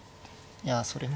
いやそれも。